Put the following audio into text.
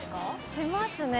しますね。